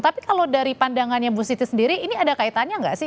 tapi kalau dari pandangannya bu siti sendiri ini ada kaitannya nggak sih